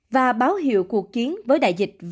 và báo hiệu cuộc chiến với đại dịch và nguy hiểm